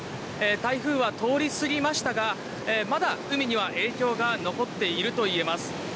台風は通り過ぎましたがまだ海には影響が残っているといえます。